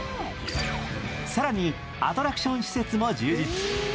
更にアトラクション施設も充実。